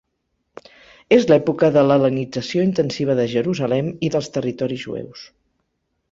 És l'època de l'hel·lenització intensiva de Jerusalem i dels territoris jueus.